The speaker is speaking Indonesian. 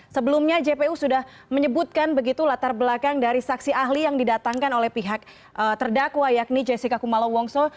sebelumnya jpu sudah menyebutkan begitu latar belakang dari saksi ahli yang didatangkan oleh pihak terdakwa yakni jessica kumala wongso